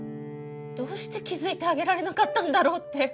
どうして気付いてあげられなかったんだろうって。